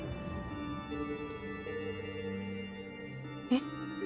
えっ？